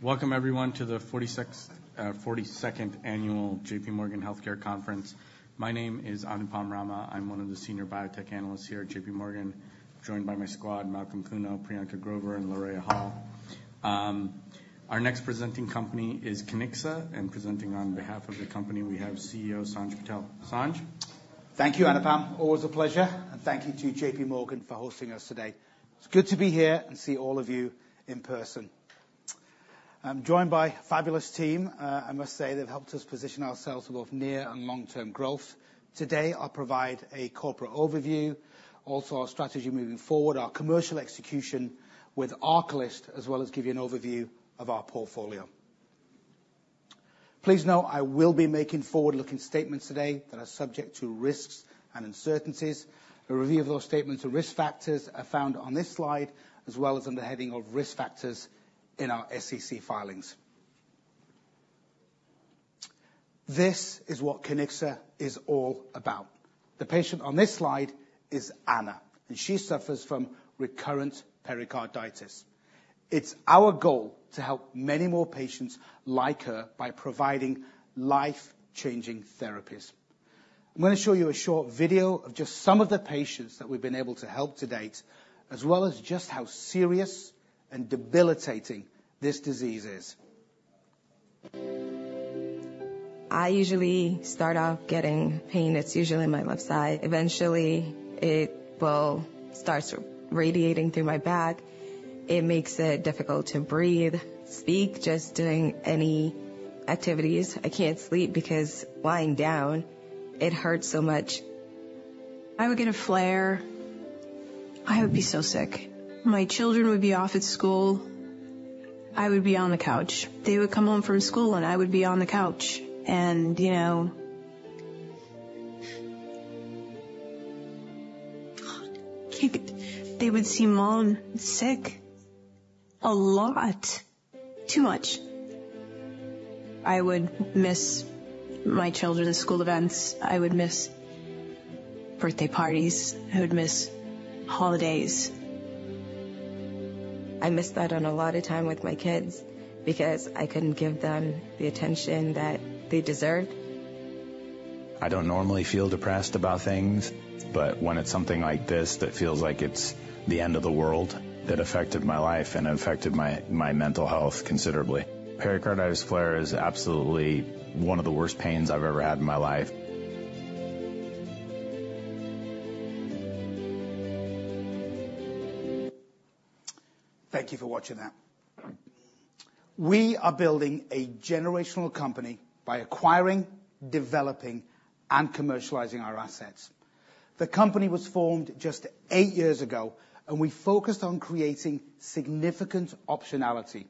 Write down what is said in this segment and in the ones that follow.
Welcome everyone to the 42nd annual JPMorgan Healthcare Conference. My name is Anupam Rama. I'm one of the senior biotech analysts here at J.P. Morgan, joined by my squad, Malcolm Kuno, Priyanka Grover, and Lorea Hall. Our next presenting company is Kiniksa, and presenting on behalf of the company, we have CEO Sanj Patel. Sanj? Thank you, Anupam. Always a pleasure, and thank you to JPMorgan for hosting us today. It's good to be here and see all of you in person. I'm joined by a fabulous team. I must say, they've helped us position ourselves for both near and long-term growth. Today, I'll provide a corporate overview, also our strategy moving forward, our commercial execution with ARCALYST, as well as give you an overview of our portfolio. Please note, I will be making forward-looking statements today that are subject to risks and uncertainties. A review of those statements and risk factors are found on this slide, as well as under the heading of Risk Factors in our SEC filings. This is what Kiniksa is all about. The patient on this slide is Anna, and she suffers from recurrent pericarditis. It's our goal to help many more patients like her by providing life-changing therapies. I'm gonna show you a short video of just some of the patients that we've been able to help to date, as well as just how serious and debilitating this disease is. I usually start off getting pain. It's usually in my left side. Eventually, it will start sort of radiating through my back. It makes it difficult to breathe, speak, just doing any activities. I can't sleep because lying down, it hurts so much. I would get a flare. I would be so sick. My children would be off at school. I would be on the couch. They would come home from school, and I would be on the couch, and, you know, they would see Mom sick a lot, too much. I would miss my children's school events. I would miss birthday parties. I would miss holidays. I missed out on a lot of time with my kids because I couldn't give them the attention that they deserved. I don't normally feel depressed about things, but when it's something like this that feels like it's the end of the world, it affected my life and affected my, my mental health considerably. Pericarditis flare is absolutely one of the worst pains I've ever had in my life. Thank you for watching that. We are building a generational company by acquiring, developing, and commercializing our assets. The company was formed just eight years ago, and we focused on creating significant optionality.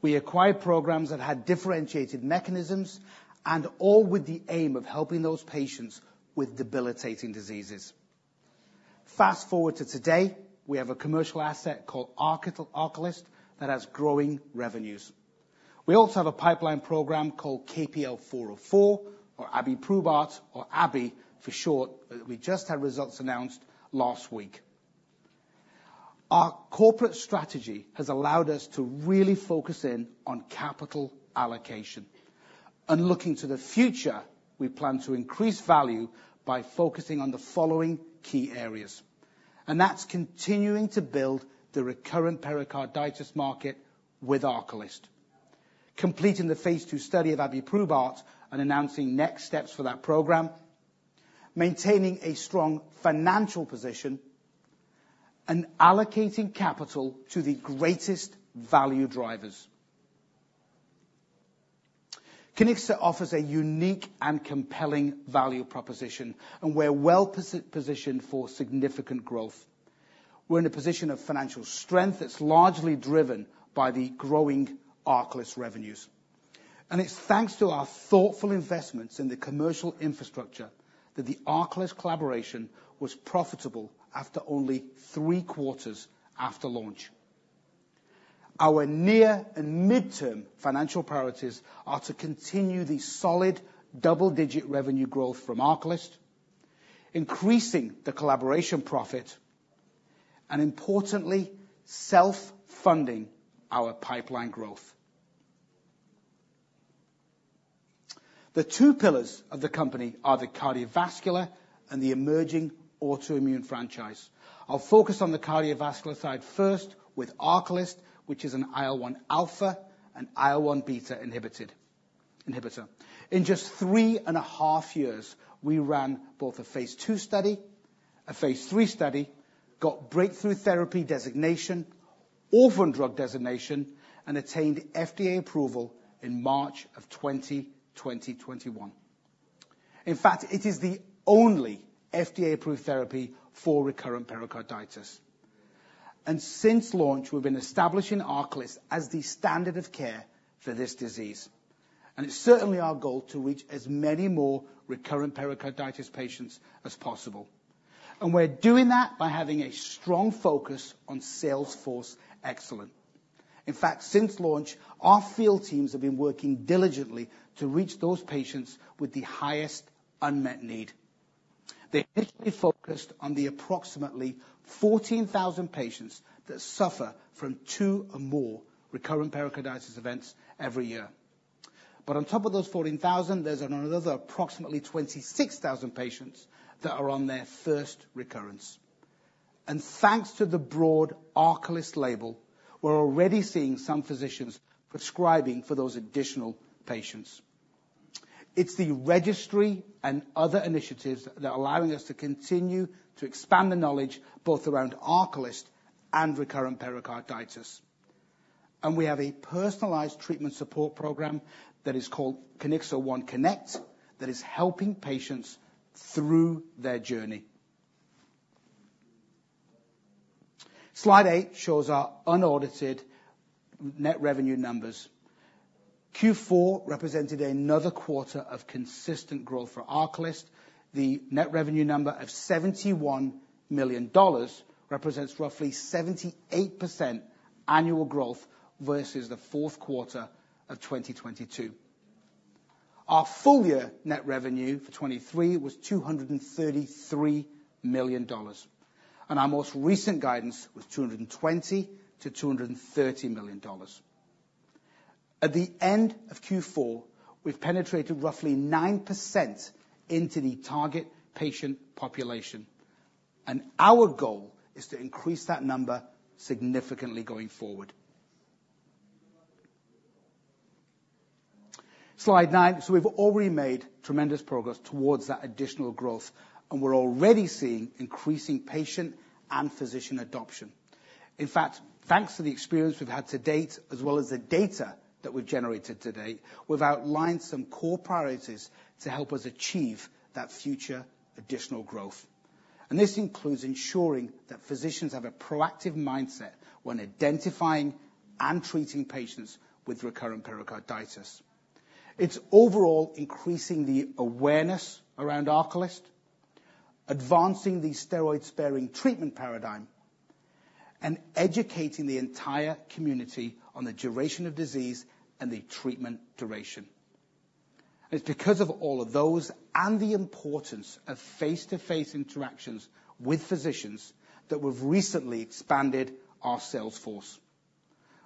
We acquired programs that had differentiated mechanisms and all with the aim of helping those patients with debilitating diseases. Fast-forward to today, we have a commercial asset called ARCALYST that has growing revenues. We also have a pipeline program called KPL-404, or abiprubart, or Abby for short. We just had results announced last week. Our corporate strategy has allowed us to really focus in on capital allocation. Looking to the future, we plan to increase value by focusing on the following key areas, and that's continuing to build the recurrent pericarditis market with ARCALYST, completing the phase II study of abiprubart and announcing next steps for that program, maintaining a strong financial position, and allocating capital to the greatest value drivers. Kiniksa offers a unique and compelling value proposition, and we're well positioned for significant growth. We're in a position of financial strength that's largely driven by the growing ARCALYST revenues, and it's thanks to our thoughtful investments in the commercial infrastructure that the ARCALYST collaboration was profitable after only three quarters after launch. Our near and midterm financial priorities are to continue the solid double-digit revenue growth from ARCALYST, increasing the collaboration profit, and importantly, self-funding our pipeline growth. The two pillars of the company are the cardiovascular and the emerging autoimmune franchise. I'll focus on the cardiovascular side first with ARCALYST, which is an IL-1 alpha and IL-1 beta inhibitor. In just three and a half years, we ran both a phase II study, a phase III study, got breakthrough therapy designation, orphan drug designation, and attained FDA approval in March 2021. In fact, it is the only FDA-approved therapy for recurrent pericarditis, and since launch, we've been establishing ARCALYST as the standard of care for this disease. It's certainly our goal to reach as many more recurrent pericarditis patients as possible, and we're doing that by having a strong focus on sales force excellence. In fact, since launch, our field teams have been working diligently to reach those patients with the highest unmet need.... They initially focused on the approximately 14,000 patients that suffer from 2 or more recurrent pericarditis events every year. But on top of those 14,000, there's another approximately 26,000 patients that are on their first recurrence. And thanks to the broad ARCALYST label, we're already seeing some physicians prescribing for those additional patients. It's the registry and other initiatives that are allowing us to continue to expand the knowledge, both around ARCALYST and recurrent pericarditis. And we have a personalized treatment support program that is called Kiniksa OneConnect, that is helping patients through their journey. Slide eight shows our unaudited net revenue numbers. Q4 represented another quarter of consistent growth for ARCALYST. The net revenue number of $71 million represents roughly 78% annual growth versus the Q4 of 2022. Our full year net revenue for 2023 was $233 million, and our most recent guidance was $220 million-$230 million. At the end of Q4, we've penetrated roughly 9% into the target patient population, and our goal is to increase that number significantly going forward. Slide nine. So we've already made tremendous progress towards that additional growth, and we're already seeing increasing patient and physician adoption. In fact, thanks to the experience we've had to date, as well as the data that we've generated to date, we've outlined some core priorities to help us achieve that future additional growth. And this includes ensuring that physicians have a proactive mindset when identifying and treating patients with recurrent pericarditis. It's overall increasing the awareness around ARCALYST, advancing the steroid-sparing treatment paradigm, and educating the entire community on the duration of disease and the treatment duration. It's because of all of those and the importance of face-to-face interactions with physicians that we've recently expanded our sales force.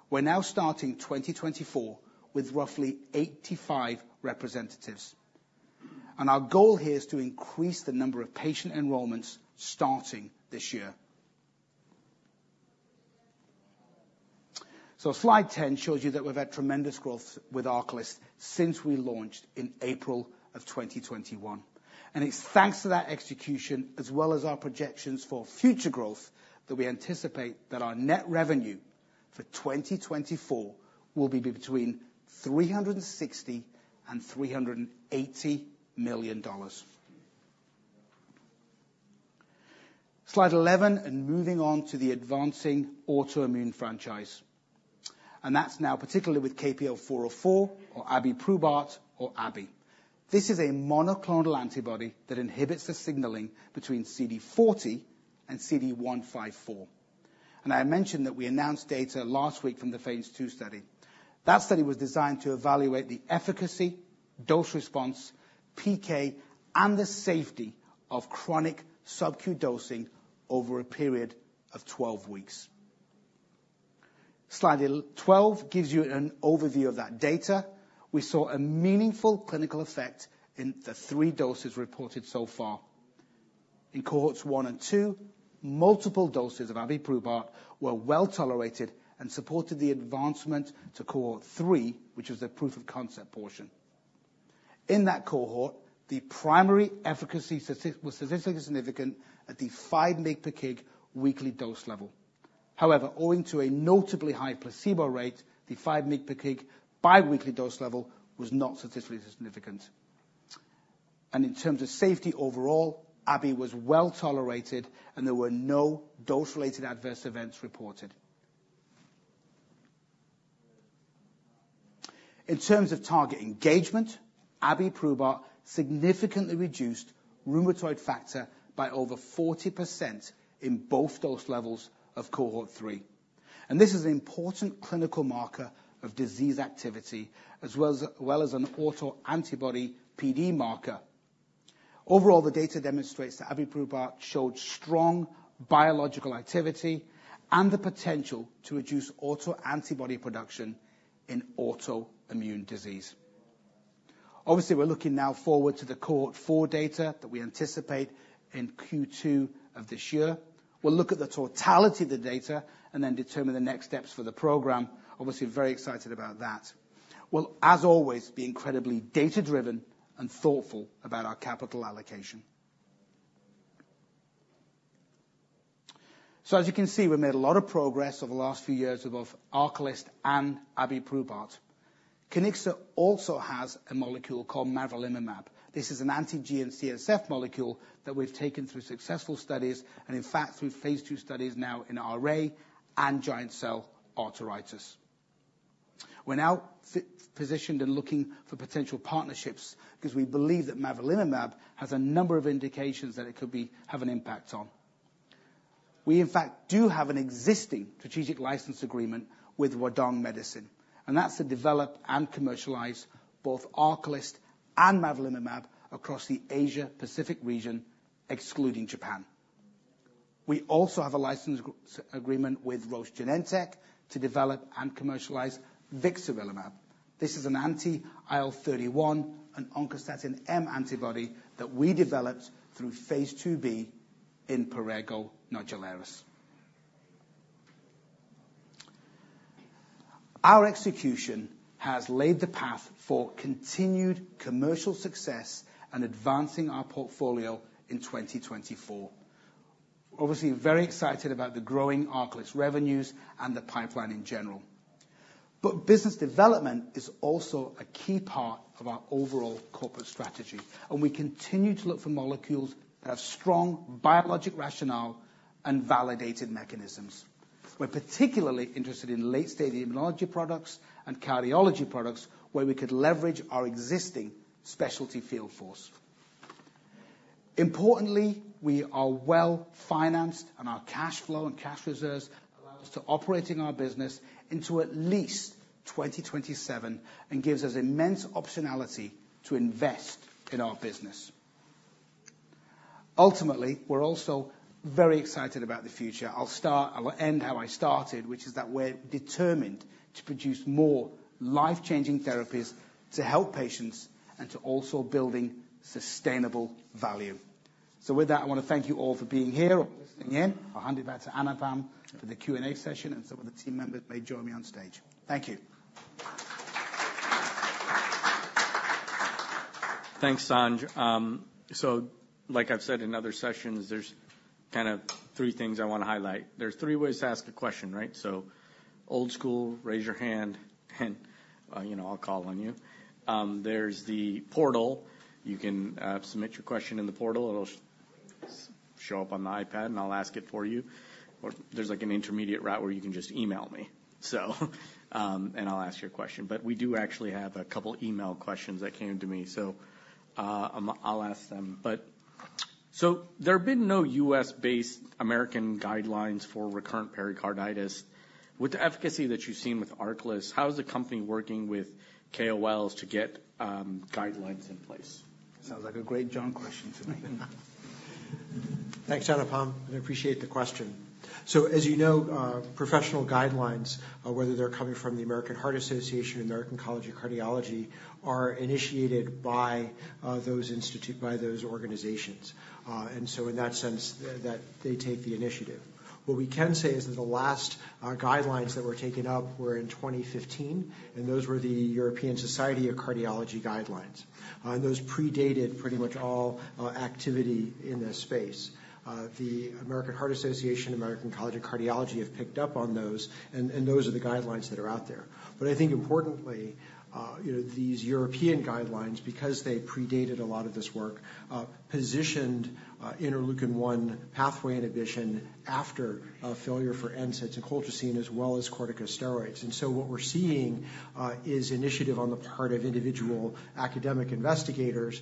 We're now starting 2024 with roughly 85 representatives, and our goal here is to increase the number of patient enrollments starting this year. So slide 10 shows you that we've had tremendous growth with ARCALYST since we launched in April of 2021. And it's thanks to that execution, as well as our projections for future growth, that we anticipate that our net revenue for 2024 will be between $360 million and $380 million. Slide 11, and moving on to the advancing autoimmune franchise, and that's now particularly with KPL-404 or abiprubart or abi. This is a monoclonal antibody that inhibits the signaling between CD40 and CD154. And I mentioned that we announced data last week from the phase II study. That study was designed to evaluate the efficacy, dose response, PK, and the safety of chronic subq dosing over a period of 12 weeks. Slide 12 gives you an overview of that data. We saw a meaningful clinical effect in the 3 doses reported so far. In cohorts one and two, multiple doses of abiprubart were well tolerated and supported the advancement to cohort three, which is the proof of concept portion. In that cohort, the primary efficacy was statistically significant at the 5 mg per kg weekly dose level. However, owing to a notably high placebo rate, the 5 mg per kg biweekly dose level was not statistically significant. And in terms of safety, overall, abi was well tolerated, and there were no dose-related adverse events reported. In terms of target engagement, abiprubart significantly reduced rheumatoid factor by over 40% in both dose levels of cohort three. This is an important clinical marker of disease activity, as well as an autoantibody PD marker. Overall, the data demonstrates that abiprubart showed strong biological activity and the potential to reduce autoantibody production in autoimmune disease. Obviously, we're looking now forward to the cohort four data that we anticipate in Q2 of this year. We'll look at the totality of the data and then determine the next steps for the program. Obviously, very excited about that. We'll, as always, be incredibly data-driven and thoughtful about our capital allocation. As you can see, we've made a lot of progress over the last few years with both ARCALYST and abiprubart. Kiniksa also has a molecule called mavrilimumab. This is an anti-GM-CSF molecule that we've taken through successful studies and in fact, through phase II studies now in RA and giant cell arthritis. We're now positioned and looking for potential partnerships because we believe that mavrilimumab has a number of indications that it could be, have an impact on.... We, in fact, do have an existing strategic license agreement with Huadong Medicine, and that's to develop and commercialize both ARCALYST and mavrilimumab across the Asia-Pacific region, excluding Japan. We also have a license agreement with Roche Genentech to develop and commercialize vixarelimab. This is an anti-IL-31 and oncostatin M antibody that we developed through phase II-B in prurigo nodularis. Our execution has laid the path for continued commercial success and advancing our portfolio in 2024. Obviously, very excited about the growing ARCALYST revenues and the pipeline in general. But business development is also a key part of our overall corporate strategy, and we continue to look for molecules that have strong biologic rationale and validated mechanisms. We're particularly interested in late-stage immunology products and cardiology products, where we could leverage our existing specialty field force. Importantly, we are well-financed, and our cash flow and cash reserves allow us to operate our business into at least 2027 and give us immense optionality to invest in our business. Ultimately, we're also very excited about the future. I'll end how I started, which is that we're determined to produce more life-changing therapies to help patients and to also build sustainable value. So with that, I want to thank you all for being here or listening in. I'll hand it back to Anupam for the Q&A session, and some of the team members may join me on stage. Thank you. Thanks, Sanj. So like I've said in other sessions, there's kind of three things I want to highlight. There's three ways to ask a question, right? So old school, raise your hand, and, you know, I'll call on you. There's the portal. You can, submit your question in the portal. It'll show up on the iPad, and I'll ask it for you. Or there's, like, an intermediate route where you can just email me. So, and I'll ask you a question. But we do actually have a couple email questions that came to me, so, I'm, I'll ask them. But, so there have been no US-based American guidelines for recurrent pericarditis. With the efficacy that you've seen with ARCALYST, how is the company working with KOLs to get, guidelines in place? Sounds like a great John question to me. Thanks, Anupam. I appreciate the question. So as you know, professional guidelines, whether they're coming from the American Heart Association, American College of Cardiology, are initiated by those organizations. And so in that sense, that they take the initiative. What we can say is that the last guidelines that were taken up were in 2015, and those were the European Society of Cardiology guidelines. And those predated pretty much all activity in this space. The American Heart Association, American College of Cardiology have picked up on those, and those are the guidelines that are out there. But I think importantly, you know, these European guidelines, because they predated a lot of this work, positioned interleukin one pathway inhibition after a failure for NSAIDs and colchicine, as well as corticosteroids. What we're seeing is initiative on the part of individual academic investigators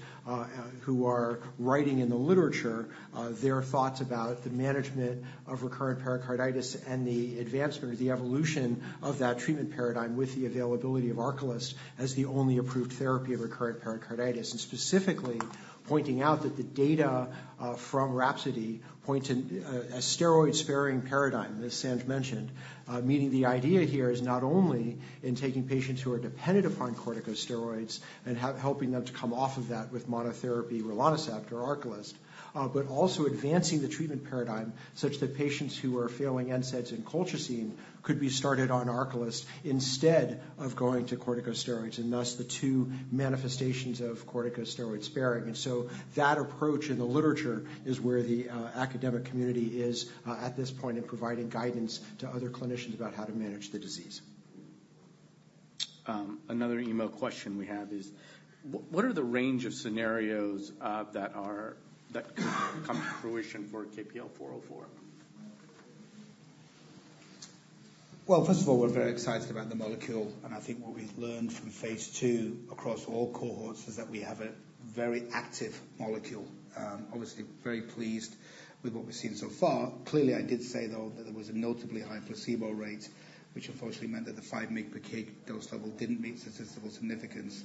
who are writing in the literature their thoughts about the management of recurrent pericarditis and the advancement or the evolution of that treatment paradigm with the availability of ARCALYST as the only approved therapy of recurrent pericarditis. And specifically, pointing out that the data from RHAPSODY pointed a steroid-sparing paradigm, as Sanj mentioned. Meaning the idea here is not only in taking patients who are dependent upon corticosteroids and helping them to come off of that with monotherapy rilonacept or ARCALYST, but also advancing the treatment paradigm, such that patients who are failing NSAIDs and colchicine could be started on ARCALYST instead of going to corticosteroids, and thus the two manifestations of corticosteroid sparing. So that approach in the literature is where the academic community is at this point in providing guidance to other clinicians about how to manage the disease. Another email question we have is: What are the range of scenarios that could come to fruition for KPL-404? Well, first of all, we're very excited about the molecule, and I think what we've learned from phase II across all cohorts is that we have a very active molecule. Obviously, very pleased with what we've seen so far. Clearly, I did say, though, that there was a notably high placebo rate, which unfortunately meant that the 5 mg per kg dose level didn't meet statistical significance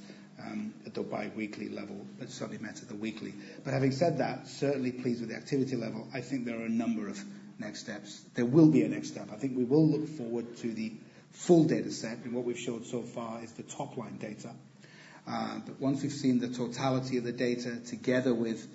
at the biweekly level, but it certainly met at the weekly. But having said that, certainly pleased with the activity level. I think there are a number of next steps. There will be a next step. I think we will look forward to the full dataset, and what we've showed so far is the top-line data. But once we've seen the totality of the data together with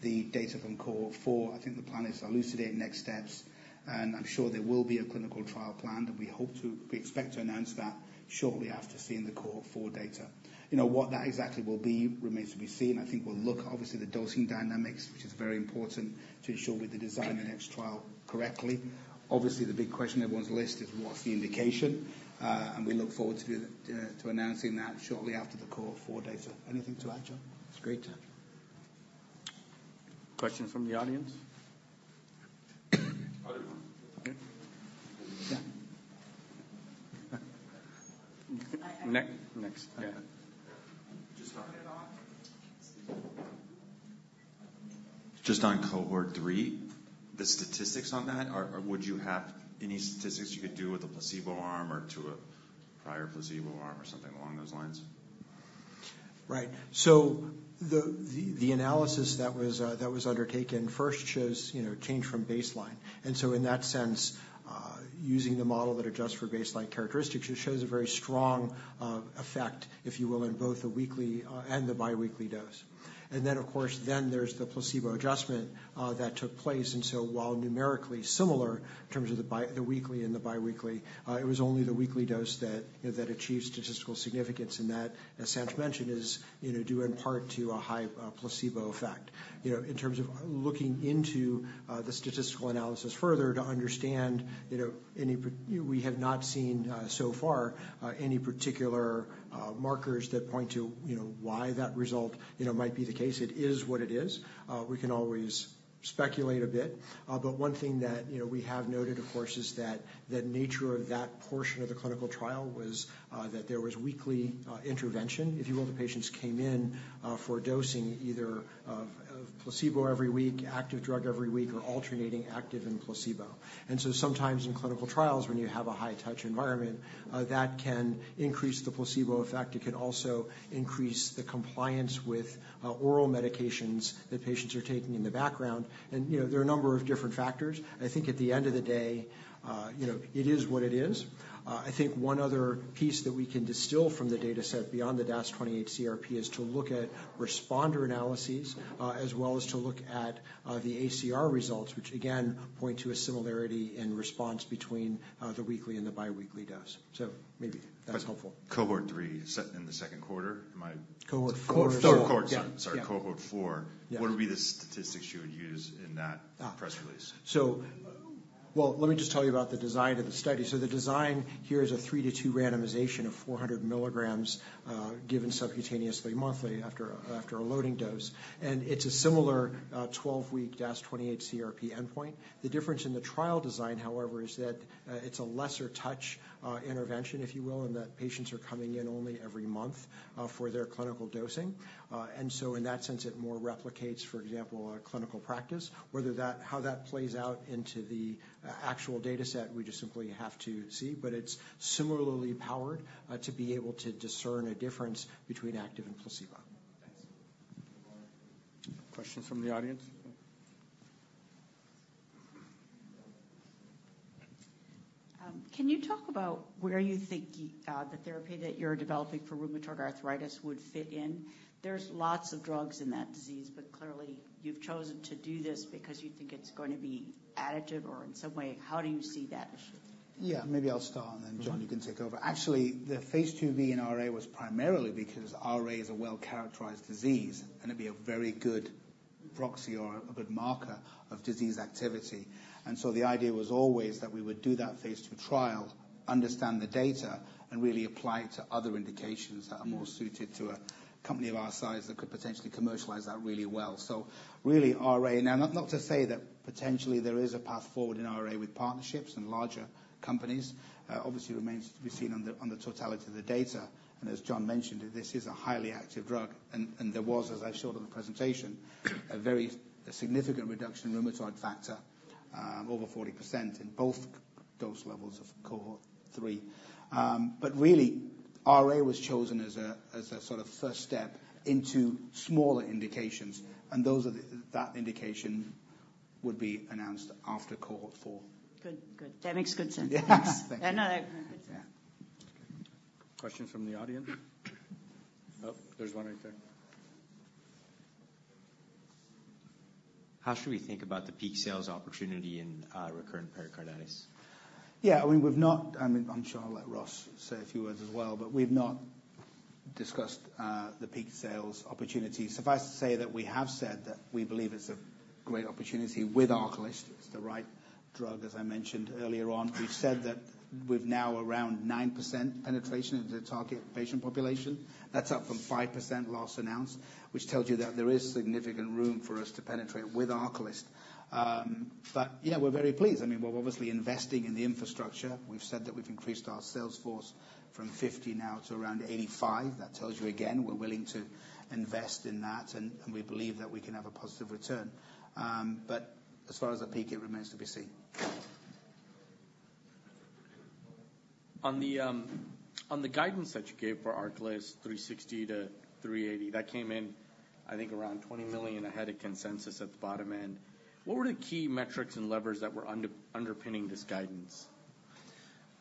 the data from cohort four, I think the plan is to elucidate next steps, and I'm sure there will be a clinical trial plan, and we hope to... We expect to announce that shortly after seeing the cohort four data. You know, what that exactly will be remains to be seen. I think we'll look, obviously, the dosing dynamics, which is very important to ensure we design the next trial correctly. Obviously, the big question on everyone's list is: What's the indication? And we look forward to announcing that shortly after the cohort four data. Anything to add, John? It's great. Questions from the audience? Okay. Yeah.... Next, next. Yeah. Just on and off? Just on cohort three, the statistics on that, are, would you have any statistics you could do with a placebo arm or to a prior placebo arm or something along those lines? Right. So the analysis that was undertaken first shows, you know, change from baseline. And so in that sense, using the model that adjusts for baseline characteristics, it shows a very strong effect, if you will, in both the weekly and the bi-weekly dose. And then, of course, there's the placebo adjustment that took place, and so while numerically similar in terms of the weekly and the bi-weekly, it was only the weekly dose that, you know, that achieved statistical significance. And that, as Sanj mentioned, is, you know, due in part to a high placebo effect. You know, in terms of looking into the statistical analysis further to understand, you know, any we have not seen so far any particular markers that point to, you know, why that result, you know, might be the case. It is what it is. We can always speculate a bit, but one thing that, you know, we have noted, of course, is that the nature of that portion of the clinical trial was that there was weekly intervention. If you will, the patients came in for dosing either of placebo every week, active drug every week, or alternating active and placebo. And so sometimes in clinical trials, when you have a high-touch environment that can increase the placebo effect. It can also increase the compliance with oral medications that patients are taking in the background. You know, there are a number of different factors. I think at the end of the day, you know, it is what it is. I think one other piece that we can distill from the dataset beyond the DAS28-CRP is to look at responder analyses, as well as to look at the ACR results, which again point to a similarity in response between the weekly and the bi-weekly dose. So maybe that's helpful. Cohort three, set in the Q2? Am I- Cohort four. Cohort four. Cohort four, sorry. Yeah. Cohort four. Yes. What would be the statistics you would use in that? Ah. -press release? So, well, let me just tell you about the design of the study. The design here is a 3:2 randomization of 400 milligrams, given subcutaneously, monthly after a loading dose, and it's a similar, 12-week DAS28-CRP endpoint. The difference in the trial design, however, is that, it's a lesser touch intervention, if you will, in that patients are coming in only every month, for their clinical dosing. And so in that sense, it more replicates, for example, a clinical practice. Whether that, how that plays out into the actual dataset, we just simply have to see. But it's similarly powered, to be able to discern a difference between active and placebo. Thanks. Questions from the audience? Can you talk about where you think the therapy that you're developing for rheumatoid arthritis would fit in? There's lots of drugs in that disease, but clearly you've chosen to do this because you think it's going to be additive or in some way. How do you see that issue? Yeah, maybe I'll start, and then- Mm-hmm. John, you can take over. Actually, the phase IIb in RA was primarily because RA is a well-characterized disease, and it'd be a very good proxy or a good marker of disease activity. And so the idea was always that we would do that phase II trial, understand the data, and really apply it to other indications that are- Mm-hmm. more suited to a company of our size, that could potentially commercialize that really well. So really, RA. Now, not, not to say that potentially there is a path forward in RA with partnerships and larger companies. Obviously, it remains to be seen on the totality of the data, and as John mentioned, this is a highly active drug, and there was, as I showed on the presentation, a very significant reduction in rheumatoid factor, over 40% in both dose levels of cohort three. But really, RA was chosen as a sort of first step into smaller indications, and that indication would be announced after cohort four. Good. Good. That makes good sense. Yes. Thank you. No, that makes sense. Yeah. Questions from the audience? Oh, there's one right there. How should we think about the peak sales opportunity in recurrent pericarditis? Yeah, I mean, I'm sure I'll let Ross say a few words as well, but we've not discussed the peak sales opportunity. Suffice to say that we have said that we believe it's a great opportunity with ARCALYST. It's the right drug, as I mentioned earlier on. We've said that we've now around 9% penetration into the target patient population. That's up from 5% last announced, which tells you that there is significant room for us to penetrate with ARCALYST. But yeah, we're very pleased. I mean, we're obviously investing in the infrastructure. We've said that we've increased our sales force from 50 now to around 85. That tells you, again, we're willing to invest in that, and we believe that we can have a positive return. But as far as the peak, it remains to be seen. On the guidance that you gave for ARCALYST, $360 million-$380 million, that came in, I think, around $20 million ahead of consensus at the bottom end. What were the key metrics and levers that were underpinning this guidance?...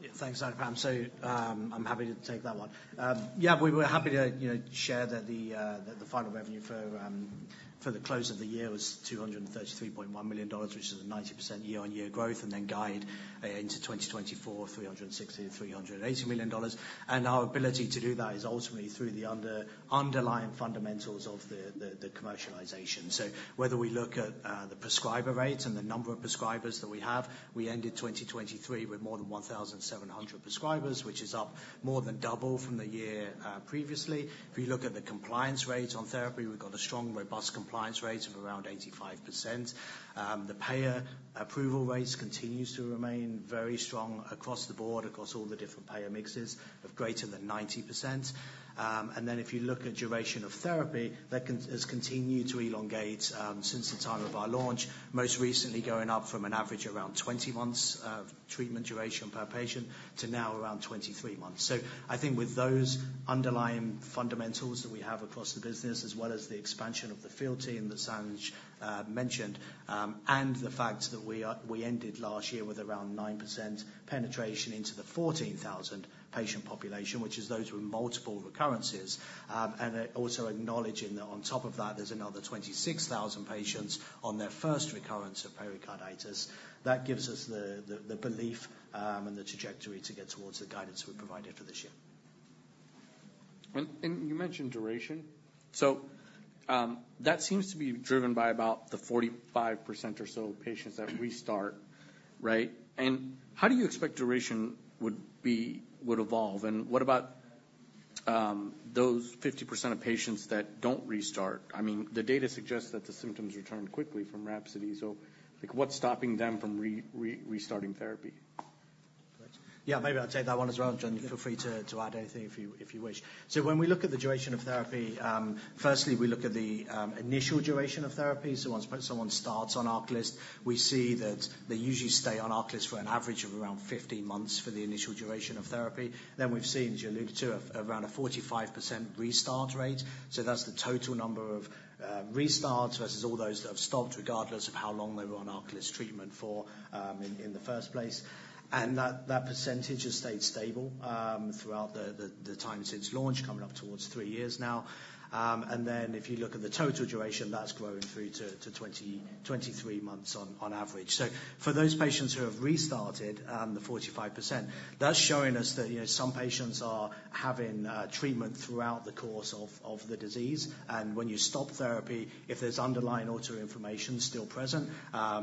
Yeah, thanks, Anupam. So, I'm happy to take that one. Yeah, we were happy to, you know, share that the final revenue for the close of the year was $233.1 million, which is a 90% year-on-year growth, and then guide into 2024, $360 million-$380 million. And our ability to do that is ultimately through the underlying fundamentals of the commercialization. So whether we look at the prescriber rates and the number of prescribers that we have, we ended 2023 with more than 1,700 prescribers, which is up more than double from the year previously. If we look at the compliance rate on therapy, we've got a strong, robust compliance rate of around 85%. The payer approval rates continues to remain very strong across the board, across all the different payer mixes, of greater than 90%. And then if you look at duration of therapy, that has continued to elongate since the time of our launch. Most recently, going up from an average around 20 months of treatment duration per patient to now around 23 months. So I think with those underlying fundamentals that we have across the business, as well as the expansion of the field team that Sanj mentioned, and the fact that we ended last year with around 9% penetration into the 14,000 patient population, which is those with multiple recurrences. And also acknowledging that on top of that, there's another 26,000 patients on their first recurrence of pericarditis. That gives us the belief and the trajectory to get towards the guidance we provided for this year. And you mentioned duration. So, that seems to be driven by about the 45% or so patients that restart, right? And how do you expect duration would evolve, and what about those 50% of patients that don't restart? I mean, the data suggests that the symptoms return quickly from RHAPSODY. So, like, what's stopping them from restarting therapy? Yeah, maybe I'll take that one as well, and, John, feel free to add anything if you wish. So when we look at the duration of therapy, firstly, we look at the initial duration of therapy. So once someone starts on ARCALYST, we see that they usually stay on ARCALYST for an average of around 15 months for the initial duration of therapy. Then we've seen, as you alluded to, around a 45% restart rate, so that's the total number of restarts versus all those that have stopped, regardless of how long they were on ARCALYST treatment for in the first place. And that percentage has stayed stable throughout the time since launch, coming up towards three years now. And then if you look at the total duration, that's grown through to 20-23 months on average. So for those patients who have restarted, the 45%, that's showing us that, you know, some patients are having treatment throughout the course of the disease. And when you stop therapy, if there's underlying autoinflammation still present,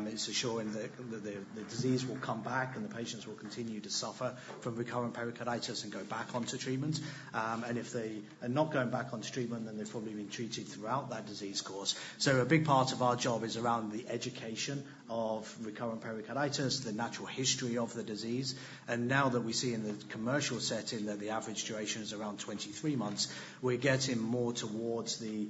it's assuring that the disease will come back, and the patients will continue to suffer from recurrent pericarditis and go back onto treatment. And if they are not going back onto treatment, then they've probably been treated throughout that disease course. A big part of our job is around the education of recurrent pericarditis, the natural history of the disease, and now that we see in the commercial setting that the average duration is around 23 months, we're getting more towards the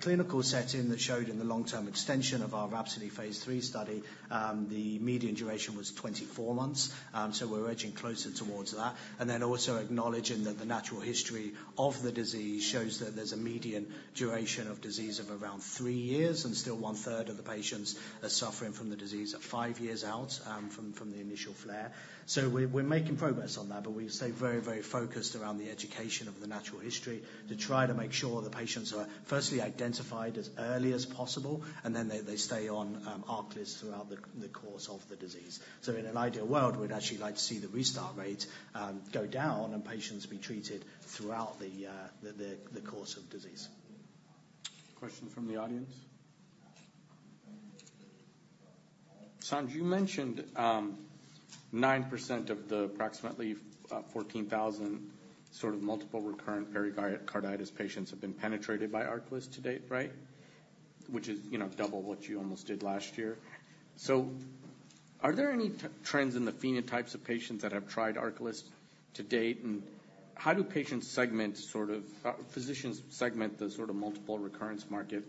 clinical setting that showed in the long-term extension of our RHAPSODY phase 3 study. The median duration was 24 months, so we're edging closer towards that. Then also acknowledging that the natural history of the disease shows that there's a median duration of disease of around three years, and still 1/3 of the patients are suffering from the disease at five years out, from the initial flare. So we're making progress on that, but we stay very, very focused around the education of the natural history to try to make sure the patients are firstly identified as early as possible, and then they stay on ARCALYST throughout the course of the disease. So in an ideal world, we'd actually like to see the restart rate go down and patients be treated throughout the course of disease. Question from the audience? Sanj, you mentioned, 9% of the approximately, 14,000 sort of multiple recurrent pericarditis patients have been penetrated by ARCALYST to date, right? Which is, you know, double what you almost did last year. So are there any trends in the phenotypes of patients that have tried ARCALYST to date, and how do patients segment sort of... physicians segment the sort of multiple recurrence market?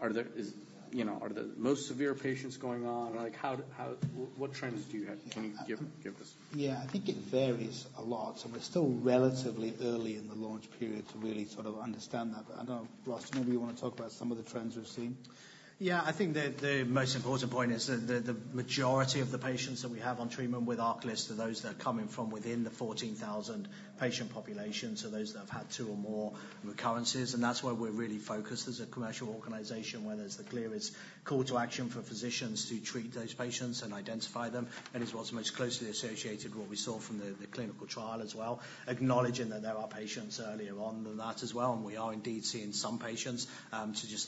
Are there, is... you know, are the most severe patients going on? Like how do, how... what trends do you have? Can you give us- Yeah, I think it varies a lot, and we're still relatively early in the launch period to really sort of understand that. But I know, Ross, maybe you want to talk about some of the trends we've seen. Yeah, I think the most important point is that the majority of the patients that we have on treatment with ARCALYST are those that are coming from within the 14,000 patient population, so those that have had two or more recurrences. And that's where we're really focused as a commercial organization, where there's the clearest call to action for physicians to treat those patients and identify them, and it's what's most closely associated with what we saw from the clinical trial as well. Acknowledging that there are patients earlier on than that as well, and we are indeed seeing some patients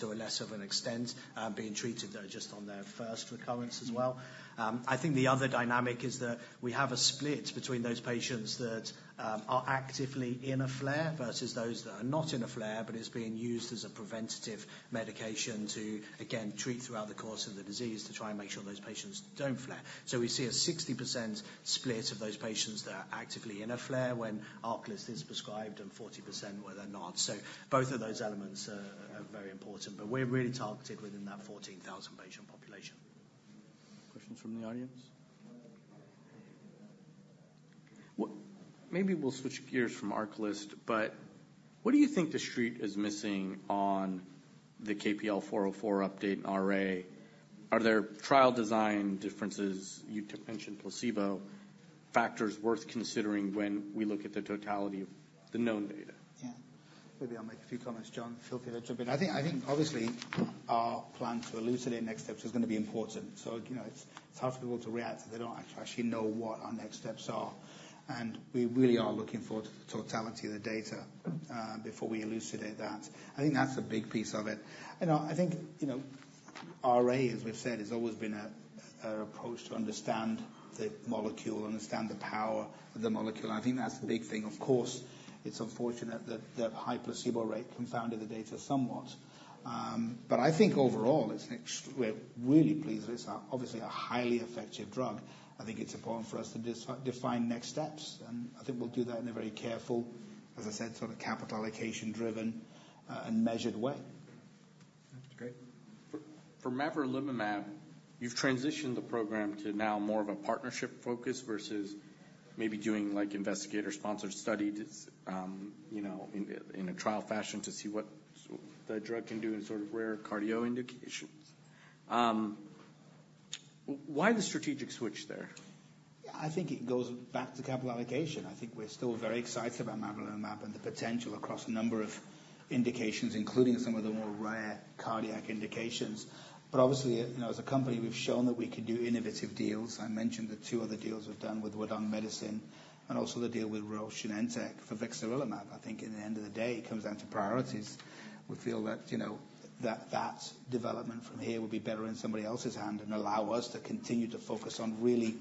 to a lesser extent being treated that are just on their first recurrence as well. I think the other dynamic is that we have a split between those patients that are actively in a flare versus those that are not in a flare, but it's being used as a preventative medication to, again, treat throughout the course of the disease to try and make sure those patients don't flare. So we see a 60% split of those patients that are actively in a flare when ARCALYST is prescribed and 40% where they're not. So both of those elements are very important, but we're really targeted within that 14,000 patient population. Questions from the audience?... Maybe we'll switch gears from ARCALYST, but what do you think the street is missing on the KPL-404 update and RA? Are there trial design differences? You mentioned placebo factors worth considering when we look at the totality of the known data. Yeah, maybe I'll make a few comments, John. Feel free to jump in. I think obviously our plan to elucidate next steps is gonna be important. So, you know, it's hard for people to react if they don't actually know what our next steps are, and we really are looking forward to the totality of the data before we elucidate that. I think that's a big piece of it. You know, I think, you know, RA, as we've said, has always been an approach to understand the molecule, understand the power of the molecule. I think that's the big thing. Of course, it's unfortunate that high placebo rate confounded the data somewhat. But I think overall, it's excellent. We're really pleased. It's obviously a highly effective drug. I think it's important for us to define next steps, and I think we'll do that in a very careful, as I said, sort of capital allocation driven, and measured way. Okay. For mavrilimumab, you've transitioned the program to now more of a partnership focus versus maybe doing, like, investigator-sponsored studies, you know, in a trial fashion to see what the drug can do in sort of rare cardio indications. Why the strategic switch there? I think it goes back to capital allocation. I think we're still very excited about mavrilimumab and the potential across a number of indications, including some of the more rare cardiac indications. But obviously, you know, as a company, we've shown that we can do innovative deals. I mentioned the two other deals we've done with Huadong Medicine, and also the deal with Roche and Genentech for vixarelimab. I think in the end of the day, it comes down to priorities. We feel that, you know, that that development from here would be better in somebody else's hand and allow us to continue to focus on really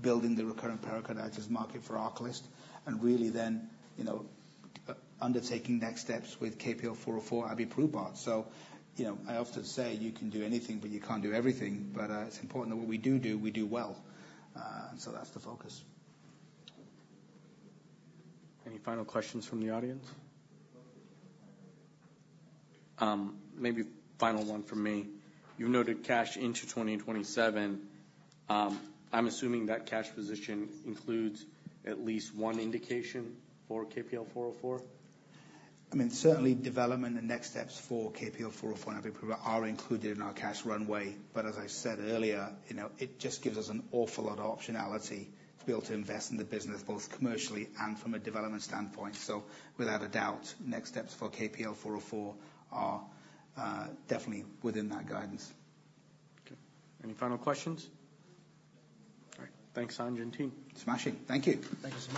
building the recurrent pericarditis market for ARCALYST, and really then, you know, undertaking next steps with KPL-404 and abiprubart. You know, I often say, "You can do anything, but you can't do everything." But, it's important that what we do we do well, and so that's the focus. Any final questions from the audience? Maybe final one from me. You noted cash into 2027. I'm assuming that cash position includes at least one indication for KPL-404? I mean, certainly development and next steps for KPL-404 and abiprubart are included in our cash runway, but as I said earlier, you know, it just gives us an awful lot of optionality to be able to invest in the business, both commercially and from a development standpoint. So without a doubt, next steps for KPL-404 are definitely within that guidance. Okay. Any final questions? All right. Thanks, Sanj and team. Smashing. Thank you. Thank you so much.